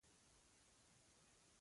ترموز د محفل تودوخه جوړوي.